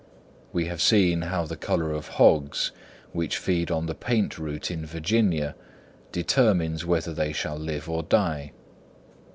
We have seen how the colour of hogs, which feed on the "paint root" in Virginia, determines whether they shall live or die.